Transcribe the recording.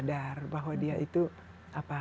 oh dia sadar bahwa dia itu sudah mulai merasa malu